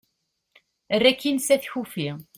err akin s at kufi